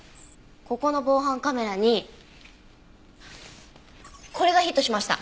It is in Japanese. ここの防犯カメラにこれがヒットしました。